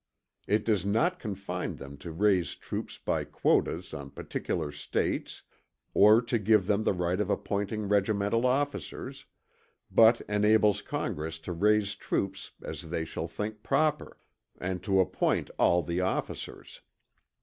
It does not confine them to raise troops by quotas on particular States, or to give them the right of appointing regimental officers, but enables Congress to raise troops as they shall think proper, and to appoint all the officers.